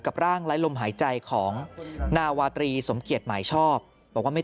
กับร่างล้ายลมหายใจของนาวาตรีสมเกียรติหมายชอบว่าไม่